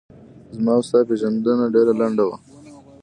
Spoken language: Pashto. زما و ستا پیژندنه ډېره لڼده وه